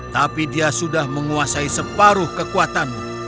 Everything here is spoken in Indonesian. tapi dia sudah menguasai separuh kekuatanmu